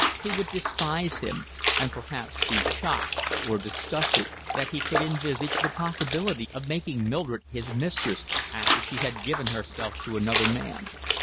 He would despise him, and perhaps be shocked or disgusted that he could envisage the possibility of making Mildred his mistress after she had given herself to another man.